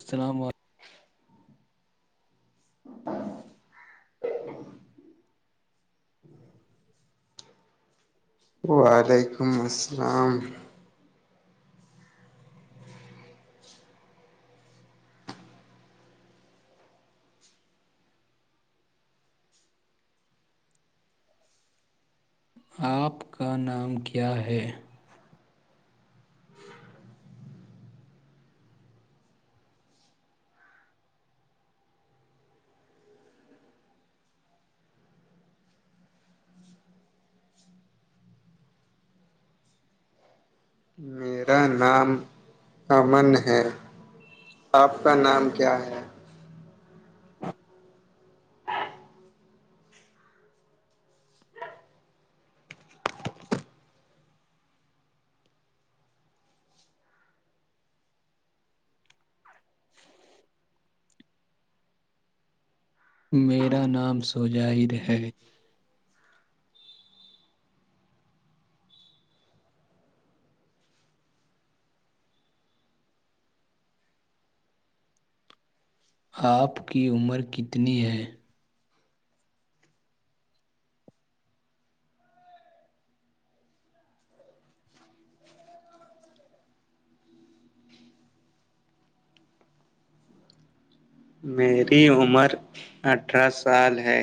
السلام علیکم وعلیکم السلام آپ کا نام کیا ہے [inaudible] میرا نام امن ہے آپ کا نام کیا ہے [inaudible] میرا نام سوجاہد ہے آپ کی عمر کتنی ہے میری عمر اٹھارہ سال ہے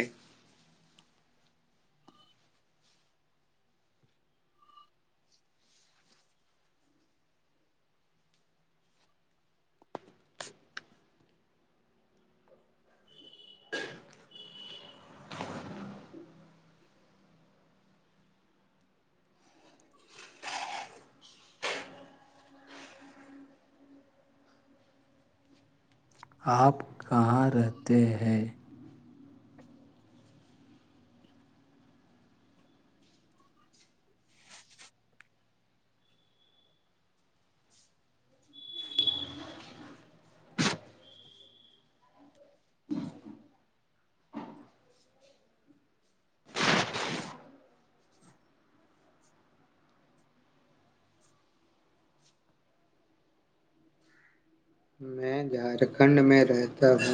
آپ کہاں رہتے ہیں میں جھارکھنڈ میں رہتا ہوں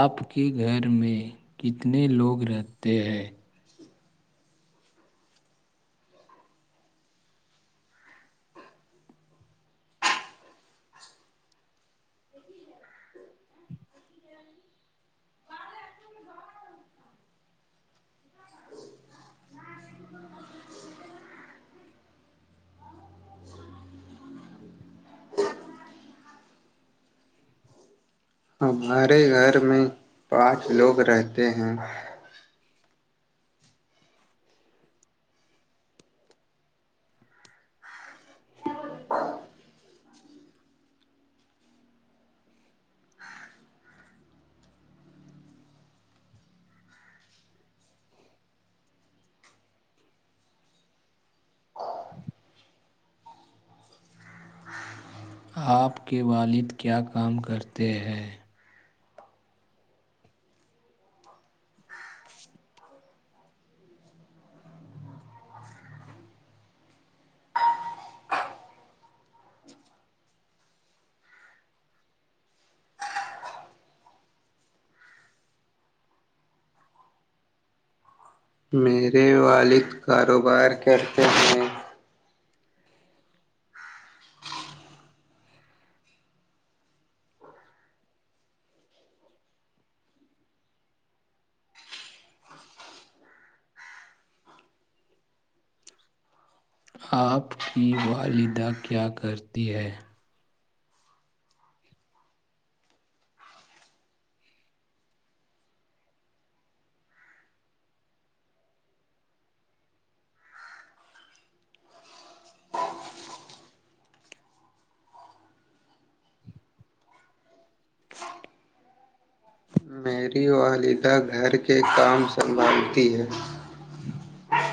آپ کے گھر میں کتنے لوگ رہتے ہیں ہمارے گھر میں پانچ لوگ رہتے ہیں [unintelligible] آپ کے والد کیا کام کرتے ہیں میرے والد کاروبار کرتے ہیں آپ کی والدہ کیا کرتی ہے میری والدہ گھر کے کام سنبھالتی ہے [inaudible]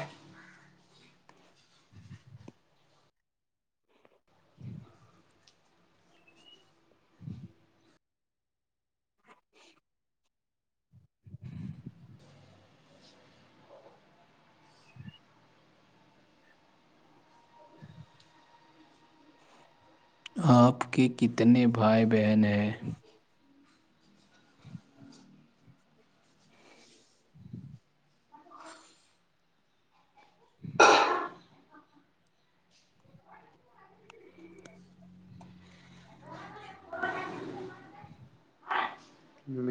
آپ کے کتنے بھائی بہن ہیں ج [inaudible]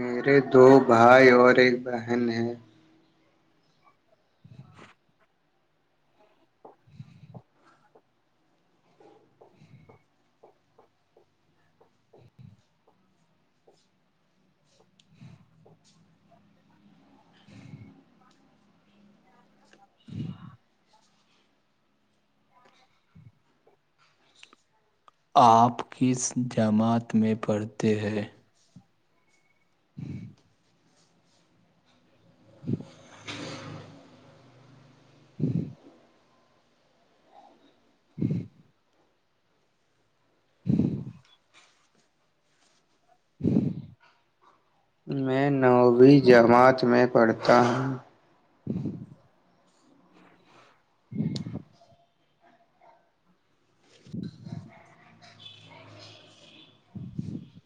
میرے دو بھائی اور ایک بہن ہے ہاں [unintelligible] [inaudible] ج ج آپ کس جماعت میں پڑھتے ہیں [unintelligible] [inaudible] جی [inaudible] [inaudible] [inaudible] میں نوویں جماعت میں پڑھتا ہوں [unintelligible] [unintelligible] [unintelligible]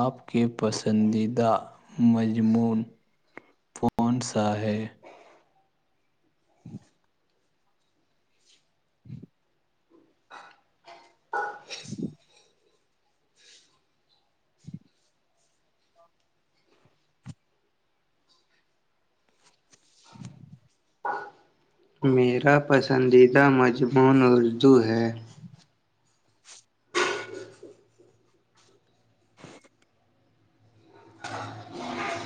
آپ کے پسندیدہ مضمون کون سا ہے [unintelligible] جی میرا پسندیدہ مضمون اردو ہے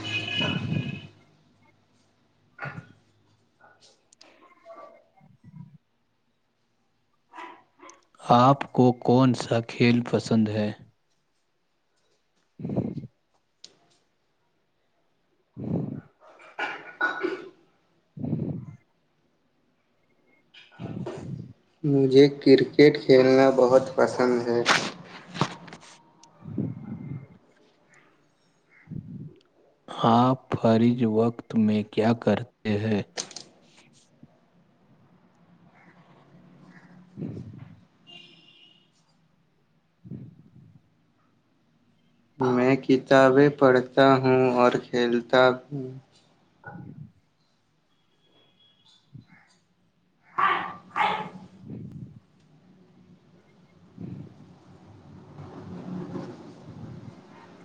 [unintelligible] [unintelligible] آپ کو کون سا کھیل پسند ہے جی جی [inaudible] مجھے کرکٹ کھیلنا بہت پسند ہے [unintelligible] آپ فرج وقت میں کیا کرتے ہیں ج [unintelligible] میں کتابیں پڑھتا ہوں اور کھیلتا ہوں [unintelligible] ج ہ [unintelligible]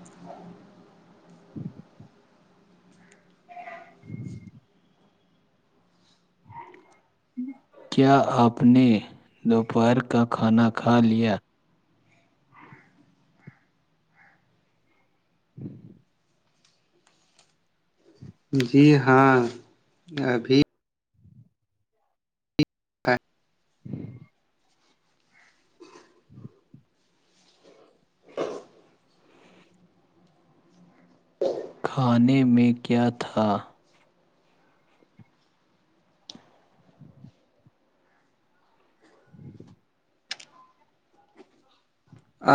[unintelligible] کیا آپ نے دوپہر کا کھانا کھا لیا جی ہاں ابھی ہ ہی ہ کھانے میں کیا تھا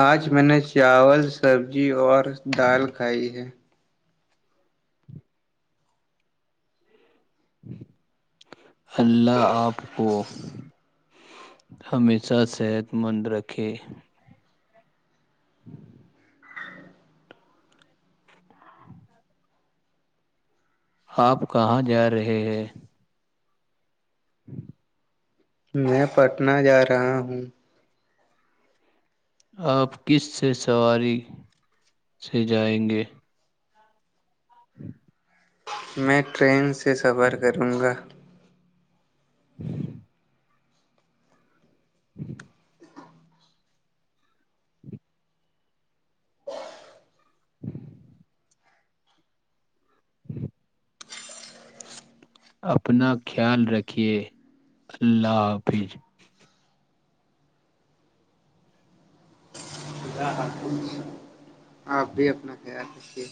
آج میں نے چاول سبزی اور دال کھائی ہے اللہ آپ کو ہمیشہ صحت مند رکھیں ہوں آپ کہاں جا رہے ہیں ہ میں پٹنہ جا رہا ہوں آپ کس سے سواری سے جائیں گے ہ میں ٹرین سے سفر کروں گا اپنا خیال رکھیے اللہ حافظ ا آ آپ بھی اپنا خیال رکھیے